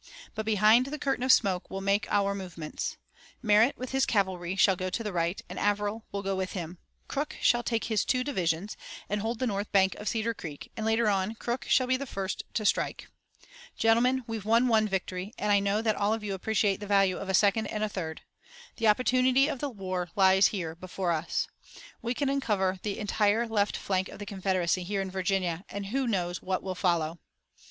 But behind the curtain of smoke we'll make our movements. Merritt with his cavalry shall go to the right and Averill will go with him. Crook shall take his two divisions and hold the north bank of Cedar Creek, and later on Crook shall be the first to strike. Gentlemen, we've won one victory, and I know that all of you appreciate the value of a second and a third. The opportunity of the war lies here before us. We can uncover the entire left flank of the Confederacy here in Virginia, and who knows what will follow!"